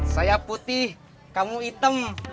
saya putih kamu item